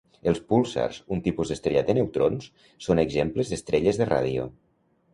Els púlsars, un tipus d'estrella de neutrons, són exemples d'estrelles de ràdio.